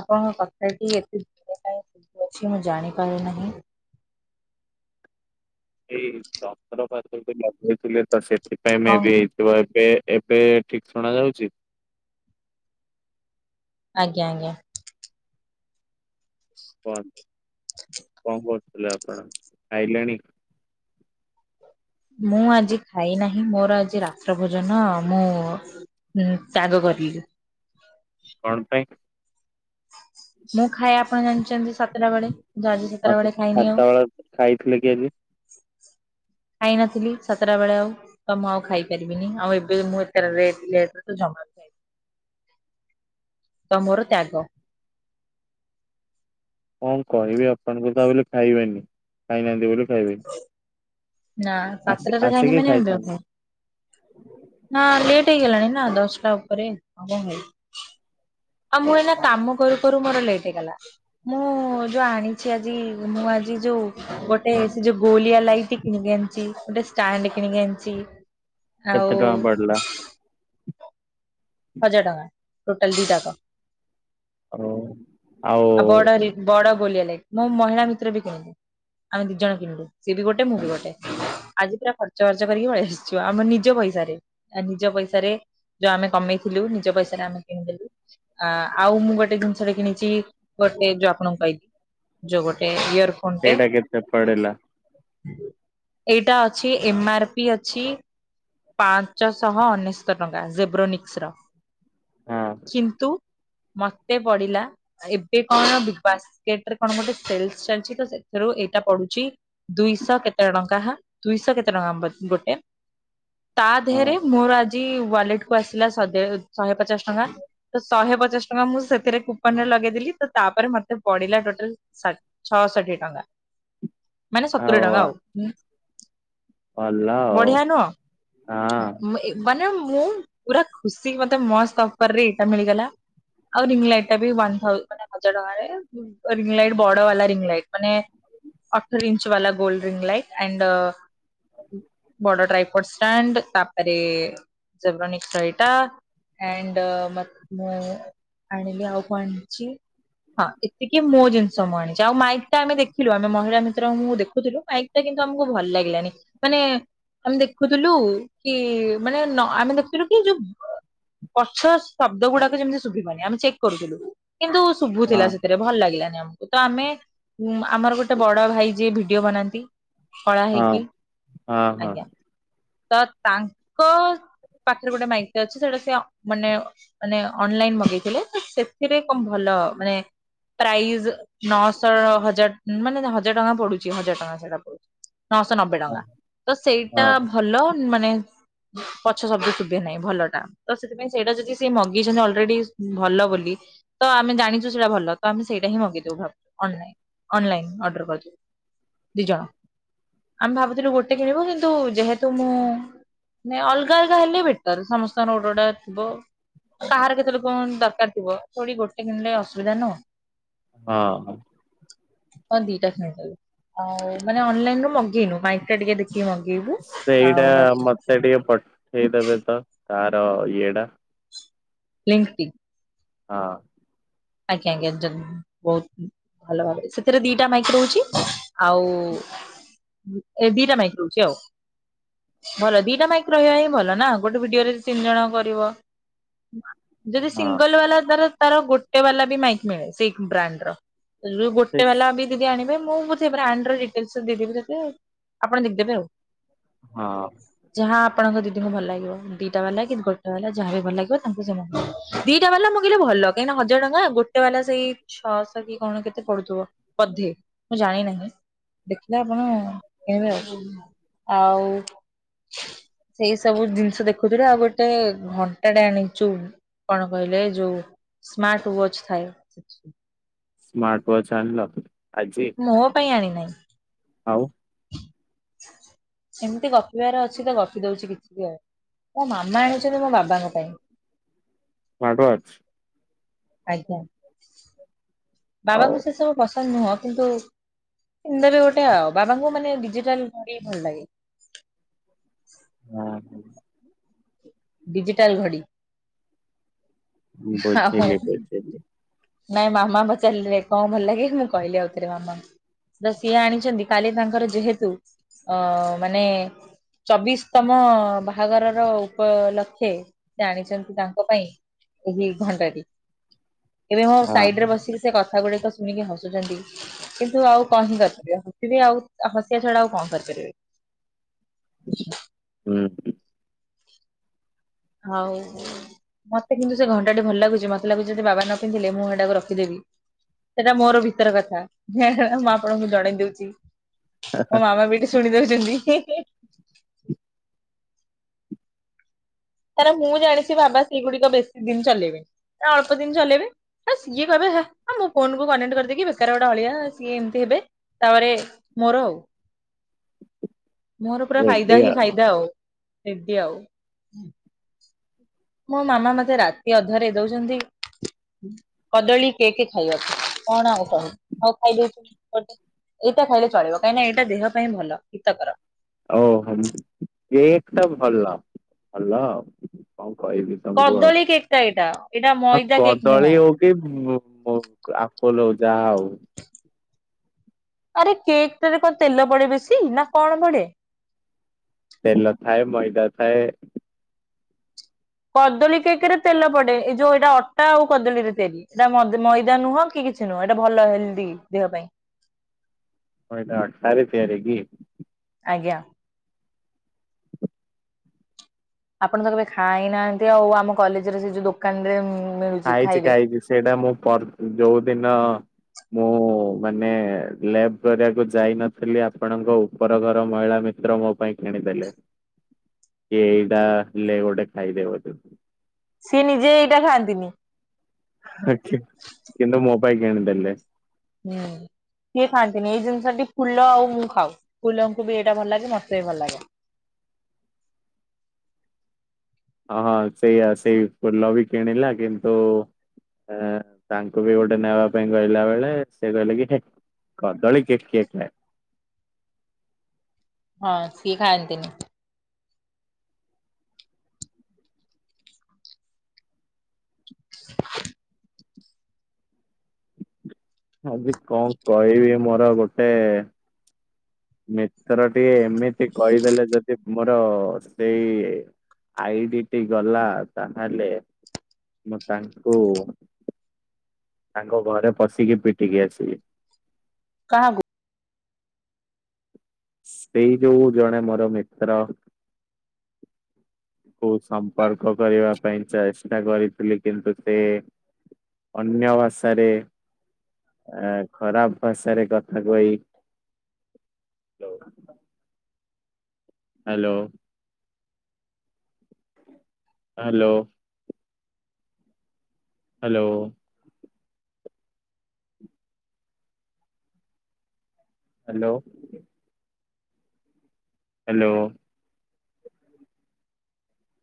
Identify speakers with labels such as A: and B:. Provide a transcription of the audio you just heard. A: ଆପଣଙ୍କ କଥାଟି ଏତେ [inaudible] ଅଛି ମୁଁ ଜାଣିପାରୁ ନାହିଁ।
B: ଏଇ ଚକ୍ର ପାତ ଯି [inaudible] ଲଗେଇଥିଲେ ତ ସେଥିପାଇଁ ମେ
A: ହଁ
B: ବି। ଏବେ ଏବେ ଠିକ ଶୁଣା ଯାଉଚି?
A: ଆଜ୍ଞା ଆଜ୍ଞା।
B: କହନ୍ତୁ କଣ କରୁଥିଲେ ଆପଣ ଖାଇଲେଣି?
A: ମୁଁ ଆଜି ଖାଇ ନାହିଁ ମୋର ଆଜି ରାତ୍ର ଭୋଜନ ମୁଁ ହୁଁ ତାଗ କରିଲି।
B: କଣ ପାଇଁ?
A: ମୁଁ ଖାଏ ଆପଣ ଜାଣିଛନ୍ତି ସାତଟା ବେଳେ। ଆଜି ସାତଟା
B: ହଁ
A: ବେଳେ ଖାଇନି ଆଉ।
B: ଭାତ ଖାଇଥିଲେ କି ଆଜି?
A: ଖାଇ ନଥିଲି ସାତଟା ବେଳେ ଆଉ। ତ ମୁଁ ଆଉ ଖାଇପାରିବିନି ଆଉ ଏବେ ମୁଁ [inaudible] ଏତଥିଲି ଏ ତ ଜମ ଖାଇି ତମୋର ତ୍ୟାଗ।
B: କଣ କହିବି ଆପଣଙ୍କୁ ତା ବୋଲି ଖାଇବେନି ଖାଇନାହାନ୍ତି ବୋଲି ଖାଇବେନି।
A: ନା ସାତଟ
B: ଆସି
A: ରେ ଖାଇନି
B: ଆସିକି
A: ମାନେ [inaudible]
B: ଖାଇଥାନ୍ତି
A: ନା ଲେଟ୍ ହେଇଗଲାଣି ନା ଦଶଟା ଉପରେ ଆଉ ମୁଁ ଏଇନା କାମ କରୁ କରୁ ମୋର ଲେଟ ହେଇଗଲା। ମୁଁ ଯୋଉ ଆଣିଛି ଆଜି ମୁଁ ଆଜି ଯୋଉ ଗୋଟେ ସେ ଯୋଉ ଗୋଲିଆ ଲାଇଟ କିଣିିକି ଆଣିଞ୍ଚି ଗୋଟେ ଷ୍ଟାଣ୍ଡ କିଣିିକି ଆଣିଞ୍ଚି।
B: କେତେ ଟଙ୍କା ପଡିଲୁ?
A: ହଜାର ଟଙ୍କା ଟୋଟଲ ଦିଇ ଟାଙ୍କ।
B: ଓ ଆଉ
A: ବଡ ଗୋଲିଆ ଲାଇଟ ମୋ ମହିଳା ମିତ୍ର ବି କହେ। ଆମେ ଦି ଜଣ କିଣିଲୁ ସିଏ ବି ଗୋଟେ ମୁଁ ବି ଗୋଟେ। ଆଜି ପୁରା ଖର୍ଚ୍ଚ ବାର୍ଚ୍ଚ କରିକି ପଳେଇ ଆସଚୁ ଆମ ନିଜ ପଇସାରେ ଆ ନିଜ ପଇସାରେ ଯୋଉ ଆମେ କମେଇଥିଲୁ ନିଜ ପଇସାରେ ଆମେ କିଣିଦେଲୁ। ଆ ଆଉ ମୁଁ ଗୋଟେ ଜିନିଷଟା କିଣିଛି ଗୋଟେ ଯୋଉ ଆପଣଙ୍କ ପାଇଁ ଯୋଉ ଗୋଟେ ଇୟରଫୋନ ଟେ
B: ସେଇଟା କେତେ ପଡିଲା
A: ଏଇଟା ଅଛି ଏମ ଆର ପି ଅଛି ପାଞ୍ଚଶହ ଅନେଶତ ଟଙ୍କା ଜେବ୍ରୋନିକ୍ସର।
B: ହଁ।
A: କିନ୍ତୁ ମତେ ପଡିଲା ଏବେ କଣ ବିଗ ବାସ୍କେଟରେ କଣ ଗୋଟେ ସେଲସ ଚାଲିଛି ତ ସେଥିରୁ ଏଇଟା ପଡୁଚି। ଦୁଇଶ କେତେ ଟଙ୍କା ହା ଦୁଇଶ କେତେ ଟଙ୍କା ଗୋଟେ? ତା ଦେହରେ
B: ହଁ
A: ମୋର ଆଜି ୱାଲେଟ କୁ ଆସିଲା ସଜେ ଶହେ ପଚାଶ ଟଙ୍କା। ତ ଶହେ ପଚାଶ ଟଙ୍କା ମୁଁ ସେଥିରେ କୁପନ ରେ ଲଗେଇଦେଲି ତ ତାପରେ ମତେ ପଡିଲା ଟୋଟାଲା ସା ଛଅଷଠି ଟଙ୍କା ମାନେ ସତୁରୀ ଟଙ୍କା ଆଉ।
B: ଭଲ ଆଉ
A: ବଢିଆ ନୁହ ଏଗ ମାନେ ମୁଁ ପୁରା ଖୁସି ହେତିକି ମତେ ମସ୍ତ ଅଫର ରେ ଏଇଟା ମିଳିଗଲା। ଆ ରିଙ୍ଗଲାଇଟ ଟା ବି ୱାନଥାଉ ମାନେ ହଜାର ଟଙ୍କାରେ ରିଙ୍ଗ ଲାଇଟ ବଡର ବାଲା ରିଙ୍ଗ ଲାଇଟ ମାନେ ଅଠର ଇଞ୍ଚ ବାଲା ଗୋଲଡେନ୍ ଲାଇଟ ଆଣ୍ଡ ଅ ବଡଡ୍ରାଇପୋ ଷ୍ଟାଣ୍ଡ ତାପରେ ଜରମନି ସାଇଟା ଆଣ୍ଡ ମ ମୁଁ ଆଣିଲି ଆଉ ଙ୍କ ଆଣିଚି? ହଁ ଏତିକି ମୋ ଜିନିଷ ମୁଁ ଆଣିଛି ଆଉ ମାଇକ୍ ଟା ଆମେ ଦେଖିଲୁ ଆମେ ମହିଳା ଭିତରୁ ମୁଁ ଦେଖୁଥିଲୁ ଏତେ କିନ୍ତୁ ଆମକୁ ଭଲ ଲାଗିଲାନି ମାନେ ଆମେ ଦେଖୁଥିଲୁ କି ମାନେ ନ ଆମେ ଦେଖୁଥିଲୁ କି ଯୋଉ ପଛ ଶବ୍ଦ ଗୁଡାକ ଯେମିତି ଶୁଭିବନି ଆମେ ଚେକ୍ କରୁଥିଲୁ କିନ୍ତୁ
B: ହଁ
A: ଶୁଭୁଥିଲା ସେତେ ସେ ଭଲ ଲାଗିଲାନି ଆମକୁ ତ ଆମେ ଆମର ଗୋଟେ ବଡ଼ ଭାଇ ଯିଏ ଭିଡିଓ ବନାନ୍ତି କଳା
B: ହଁ
A: ହେଇକି
B: ହଁ
A: ଆଜ୍ଞା।
B: ହଁ
A: ତ ତାଙ୍କ ପାଖରେ ଗୋଟେ ମାଇକ ଟେ ଅଛି ସେଟା ତ୍ୟ ମାନେ ମାନେ ଅନଲାଇନ ମଗେଇଥିଲେ ତ ସେଥିରେ କଣ ଭଲ ମାନେ ପ୍ରାଇଜ ନଅଶହ ହଜାର ମାନେ ହଜାର ଟଙ୍କା ପଡୁଚି ହଜାର ଟଙ୍କା ସେଟା ପଡୁ ନଅଶ ନବେ ଟଙ୍କା ତ ସେଇଟା
B: ହଁ ହଁ
A: ଭଲ ମାନେ ପଛ ଶବ୍ଦ ଶୁଭେ ନାହିଁ ଭଲ ଟା। ତ ସେଥିପାଇଁ ସେଇଟା ଯଦି ସେ ମଗେଇଛନ୍ତି ଅଲରେଡି ଭଲ ବୋଲି ତ ଆମେ ଜାଣିଛୁ ସେଇଟା ଭଲ ତ ଆମେ ସେଇଟା ମଗେଇ ଦେବୁ ଅନ୍ ଲାଇନ୍ ଅଡର କରିବୁ। ଦି ଜଣ ଆମେ ଭାବୁଥିଲୁ ଗୋଟେ କିଣିବୁ କିନ୍ତୁ ଯେହେତୁ ମୁଁ ନେ ଅଲଗା ଅଲଗା ହେଲେ ବେଟର ସମସ୍ତଙ୍କର ଗୋଟାଏ ଗୋଟାଏ ଥିବ କାହାର କେତେ ବେଳେ କଣ ଦରକାର ଥିବ ଫୁଣି ଗୋଟେ କିଣିଲେ ଅସୁବିଧା ନୁହଁ।
B: ହଁ।
A: ତ ଦିଟା କିଣିଦେଲୁ ଆଉ ମାନେ ଅନଲାଇନ ରୁ ମଗେଇନୁ ସେଇଟା ଟିକେ ଦେଖିକି ମଗେଇବୁ ଆଉ ବା
B: ସେ ଟିକେ ପଠେଇଦେବେ ତ ତାର ଇଏ
A: ଲିଙ୍କ
B: ହଁ,
A: ଆଜ୍ଞା ଆଜ୍ଞା [unintelligible] ବହୁତ ଭଲ ଭାବରେ, ସେଥିରେ ଦିଟା ମାଇକ ରହୁଛି ଆଉ-ଉ-ଉ ଏ ଦିଇଟା ମାଇକ୍ ରହୁଛି ଆଉ। ଭଲ ଦିଟା ମାଇକ୍ ରହିବା ହିଁ ଭଲ ନା। ଗୋଟେ ଭିଡିଓରେ ତିନି ଜଣ କରିବ। ଯଦି
B: ହଁ
A: ସିଙ୍ଗଲ ବାଲା ଦର ତାର ଗୋଟେ ବାଲା ବି ମାଇକ୍ ମିଳେ ସେଇ ବ୍ରାଣ୍ଡ ର। ରୁ
B: ସେ
A: ଗୋଟେ ବାଲା ବ ଯଦି ଆଣିବେ ମୁଁ ପଛେ ବ୍ରାଣ୍ଡ ର ଡିଟେଲସ ଦେଇଦେବି ତତେ ଆପଣ ଦେଖିଦେବେ ଆଉ।
B: ହଁ,
A: ଯାହା ଆପଣଙ୍କ ଦିଦିଙ୍କୁ ଭଲ ଲାଗିବ। ଦିଟା ବାଲା କି ଗୋଟା ବାଲା ଯାହା ବି ଭଲ ଲାଗିବ ତାଙ୍କୁ [unintelligible] ଦିଟା ବାଲା ମଗେଇଲେ ଭଲ କାହିଁ ନା ହ ଜଣକା ଗୋଟେ ବାଲା ସେଇ ଛଅଶହ କି କଣ କେତେ ପଡୁଥିବ ବୋଧେ ମୁଁ ଜାଣି ନାହିଁ। ଦେଖିଲେ ଆପଣ କିଣିବେ ଆଉ। ଆଉ ସେଇ ସବୁ ଜିନିଷ ଦେଖୁଥିଲୁ ଆଉ ଗୋଟେ ଘଣ୍ଟା ଟେ ଆଣିଚୁ। କଣ କହିଲେ ଯୋଉ ମା ଟୁ ୱାଚ୍ ଥାଏ।
B: ସ୍ମାର୍ଟ ୱାଚ ଆଣିଲ, ଆଜି?
A: ମୋ ପାଇଁ ଆଣିନାହିଁ।
B: ଆଉ,
A: ଏମିତି ଗପିବାର ଅଛି ତ ଗପି ଦଉଛି କିଛି ବି ଆଉ। ମୋ ମାମା ଆଣିଛନ୍ତି ମୋ ବାବାଙ୍କ ପାଇଁ।
B: ସ୍ମାର୍ଟ ୱାଚ,
A: ଆଜ୍ଞା,
B: ଆଉ
A: ବାବାଙ୍କୁ ସେସବୁ ପସନ୍ଦ ନୁହଁ କିନ୍ତୁ କିଣିଦେଲି ଗୋଟେ ଆଉ। ବାବାଙ୍କୁ ମାନେ ଡିଜିଟାଲ ଘଡି ଭଲ ଲାଗେ।
B: ହଁ,
A: ଡିଜିଟାଲ ଘଡି, ହଁ ହ
B: ବୁଝିଲି
A: ହ,
B: ବୁଝିଲି
A: ନାଇଁ ମାମା ପଚାରିଲେ କଣ ଭଲ ଲାଗେ, ନା କହିଲି ଆଉଥରେ ମାମାଙ୍କୁ। ତ ସିଏ ଆଣିଛନ୍ତି କାଲି ତାଙ୍କର ଯେହେତୁ ଅ-ଅ-ଅ-ଅ ମାନେ ଚବିଶତମ ବାହାଘରର ପ-ଅ-ଅ-ଅ-ଅ ଲକ୍ଷେ ସେ ଆଣିଛନ୍ତି ତାଙ୍କ ପାଇଁ ଏହି ଭଣ୍ଡାରୀ ଏବେ ମୋ
B: ହଁ
A: ସାଇଡ୍ ରେ ବସିକି ସେ କଥା ଗୁଡିକ ଶୁଣିକି ହସୁଛନ୍ତି। କିନ୍ତୁ ଆଉ କଣ ହିଁ କରିପାରିବେ ହସିବି ଆଉ ହସିବା ଛଡା ଆଉ କଣ କରିପାରିବେ। ଆଛା। [inaudible]
B: ହୁଁ,
A: ହଉ-ଉ-ଉ ମତେ କିନ୍ତୁ ସେ ଘଣ୍ଟାଟି ଭଲ ଲାଗୁଛି। ମତେ ଲାଗୁଚି ଯଦି ବାବା ନ ପିନ୍ଧିଲେ ମୁଁ ହେଟାକୁ ରଖିଦେବି। ସେଇଟା ମୋର ଭିତର କଥା। ହେ ହେ ହେ ମୁଁ ଆପଣଙ୍କୁ ଜଣେଇ ଦଉଛି। ମୋ ମାମା ବି ଏଇଠି ଶୁଣିଦେବେ ଯଦି ହିଁ ହିଁ କାରଣ ମୁଁ ଜାଣିଛି ବାବା ସେଗୁଡିକ ବେଶୀ ଦିନ ଚଲେଇବେନି ଅଳ୍ପ ଦିନ ଚଲେଇବେ ଆ ସିଏ କହିବେ ହେ ମୋ ଫୋନ କୁ କନେକ୍ଟ କରିଦେଇକି ବେକାର ଗୋଟେ ଅଳିଆ ସିଏ ଏମିତି ହେବେ ତାପରେ ମୋର। ମୋର ପୁରା ଫାଇଦା ହିଁ ଫାଇଦା ଆଉ, ଏମିତି ଆଉ। ମୋ ମାମା ମତେ ରାତି ଅଧରେ ଦଉଛନ୍ତି କଦଳୀ କେକ୍ ଖାଇବାକୁ କଣ ଆଉ କହିବି ହଉ ଖାଇଦେଉଛି [unintelligible] ଏଇଟା ଖାଇଲେ ଚଳିବ କାହିଁ ନା ଏଇଟା ଦେହ ପାଇଁ ଭଲ ହୀତକର।
B: ଓହୋ କେକ୍ ଟା ଭଲ ଭଲ କଣ କହିବି। ତମକୁ ଆଉ
A: କଦଳୀ କେକ୍ ଟା ଏଇଟା, ଏଟା ମଇଦା କେକ୍ ନୁହଁ।
B: [inaudible] ଆପୋଲୋ ଯାହା ହଉ।
A: ଆରେ କେକ୍ ଟାରେ କଣ ତେଲ ପଡେ ବେଶୀ ନା କଣ ପଡେ?
B: ତେଲ ଥାଏ, ମଇଦା ଥାଏ।
A: କଦଳୀ କେକେରେ ତେଲ ପଡେ ଏଇ ଯୋଉ ଏଇଟା ଅଟା ଆଉ କଦଳୀରେ ତିଆରି ସେ ମଦ୍ ମଇଦା ନୁହଁ କି କିଛି ନୁହଁ ଏଇଟା ଭଲ ହେଲ୍ଦି ଦେହ କୁ
B: କଣ ଏଇଟା ଅଟା ରେ ତିଆରି କି?
A: ଆଜ୍ଞା। ଆପଣଙ୍କ ତ କେବେ ଖାଇନାହାନ୍ତି ଆଉ ଆମ କଲେଜେରେ ସେ ଯୋଉ ଦୋକାନରେ ମିଳୁଛି
B: ଖାଇଛି
A: ଖାଇବେ।
B: ଖାଇଛି ସେଇଟା ମୁଁ ପର ଯୋଉ ଦିନ ମୁଁ ମାନେ ଲବ କରିବାକୁ ଯାଇନଥିଲି ଆପଣଙ୍କ ଉପର ଘର ମହିଳା ମି ଦ୍ର ମୋ ପାଇଁ କିଣିଦେଲେ।
A: [inaudible]
B: କି ଏଇଟା ଲେ ଗୋଟେ ଖାଇଦେ ତୁ।
A: ସେ ନିଜେ ଏଇଟା ଖାଆନ୍ତିନି।
B: ଏ ଠି କିନ୍ତୁ ମୋପାଇଁ କିଣି ଦେଲେ।
A: ହୁଁ। ସିଏ ଖାଆନ୍ତିନି ଏଇ ଜିନିଷଟି ଫୁଲ ଆଉ ମୁଁ ଖାଉ ଫୁଲଙ୍କୁ ବି ଏଇଟା ଭଲ ଲାଗେ ମତେ ବି ଭଲ ଲାଗେ।
B: ଅହ ସେଇଆ ସେଇ ଫୁଲ ବି କିଣିଲା କିନ୍ତୁ ଏ ତାଙ୍କୁ ବି ଗୋଟେ ନେବା ପାଇଁ କହିଲା ବେଳେ ସେ କହିଲେ କି ହିଁ କଦଳୀ କେକ୍ କେକ୍ ଥାଏ।
A: ହଁ ସିଏ ଖାଆନ୍ତିନି।
B: ଆଜି କଣ କହିବି ମୋର ଗୋଟେ ମିତ୍ର ଟିଏ ଏମିତି କହିଦେଲେ ଯଦି ମୋର ସେଇ ଆଇଡି ଟି ଗଲା ତାହେଲେ ମୁଁ ତାଙ୍କୁ ତାଙ୍କ ଘରେ ପଶିକି ପିଟିକି ଆସିବି।
A: କାହାକୁ?
B: ସେଇ ଯୋଉ ଜଣେ ମୋର ମିତ୍ର କଉ ସମ୍ପର୍କ କରିବା ପାଇଁ ଚାଇ ଚେଷ୍ଟା କରିଥିଲି କିନ୍ତୁ ସେ ଅନ୍ୟ ଭାଷାରେ ଆ ଖରାପ ଭାଷାରେ କଥା କୁଏଇ hello. Hello. Hello. Hello. Hello.